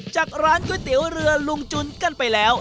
จากร้านก๋วยเตี๋ยวเรือลุงจุนกันไปแล้ว